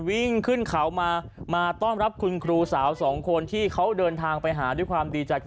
วิ่งขึ้นเขามามาต้อนรับคุณครูสาวสองคนที่เขาเดินทางไปหาด้วยความดีใจ